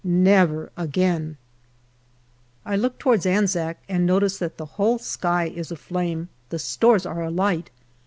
"Never again !" I look towards Anzac and notice that the whole sky is aflame the stores are alight.